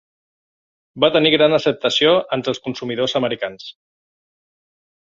Va tenir gran acceptació entre els consumidors americans.